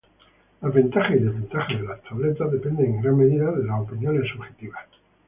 Las ventajas y desventajas de las tabletas dependen en gran medida de opiniones subjetivas.